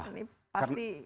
ini pasti menjadi